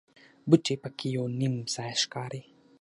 بوټي په کې یو نیم ځای ښکاري.